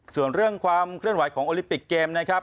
ส่วนเรื่องความเคลื่อนไหวของโอลิปิกเกมนะครับ